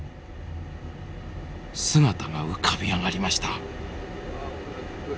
姿が浮かび上がりました。